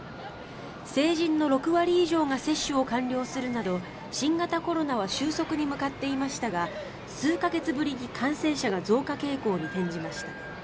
成人の６割以上が接種を完了するなど新型コロナは収束に向かっていましたが数か月ぶりに感染者が増加傾向に転じました。